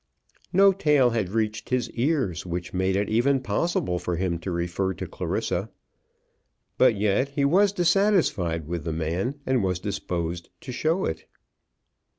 No tale had reached his ears which made it even possible for him to refer to Clarissa. But yet he was dissatisfied with the man, and was disposed to show it.